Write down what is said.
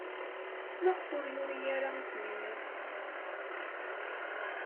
Maɣef ur yuri ara isem-nnes?